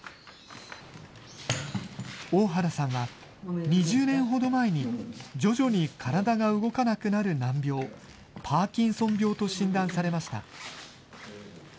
大原さんは、２０年ほど前に、徐々に体が動かなくなる難病、パーキンソン病と診断されました。